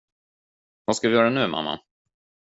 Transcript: Vad ska vi göra nu, mamma?